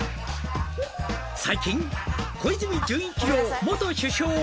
「最近小泉純一郎元首相を」